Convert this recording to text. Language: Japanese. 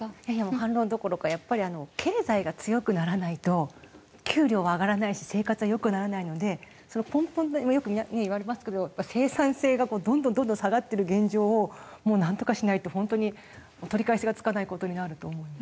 反論どころかやっぱり経済が強くならないと給料は上がらないし生活は良くならないのでその根本よくね言われますけど生産性がどんどんどんどん下がってる現状をもうなんとかしないと本当に取り返しがつかない事になると思います。